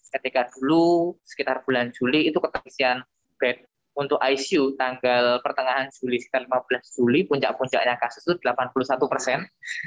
ketika dulu sekitar bulan juli itu keterisian bed untuk icu tanggal pertengahan juli sekitar lima belas juli puncak puncaknya kasus itu delapan puluh satu persen